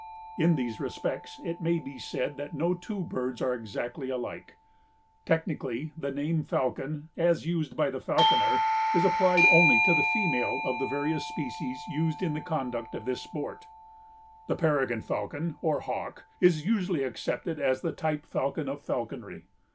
In these respects it may be said that no two birds are exactly alike. Technically the name falcon, as used by the falconer, is applied only to the female of the various species used in the conducting of this sport. The peregrine falcon or hawk is usually accepted as the type falcon of falconry.